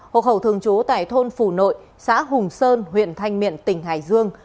hộ khẩu thường trú tại thôn phủ nội xã hùng sơn huyện thanh miện tỉnh hải dương